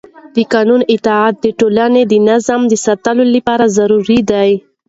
د قانون اطاعت د ټولنې د نظم د ساتلو لپاره ضروري دی